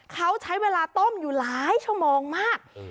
เขาใช้เวลาต้มอยู่หลายชั่วโมงมาก